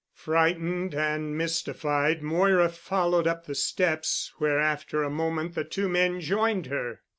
Frightened and mystified, Moira followed up the steps where after a moment the two men joined her.